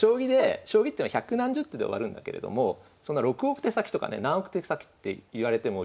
将棋っていうのは百何十手で終わるんだけれども６億手先とかね何億手先って言われてもよく分かんないと。